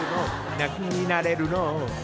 何になれるの？